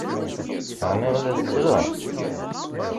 Ɛni la tettrum?